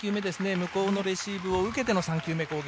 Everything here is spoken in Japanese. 向こうのレシーブを受けての３球目攻撃。